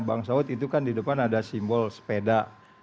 bang saud itu kan di depan ada simbol sepeda